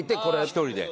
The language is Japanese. １人で。